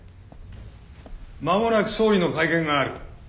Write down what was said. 間もなく総理の会見がある。